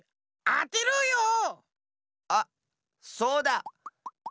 あっそうだ！